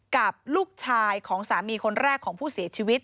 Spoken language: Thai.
กับลูกชายของสามีคนแรกของผู้เสียชีวิต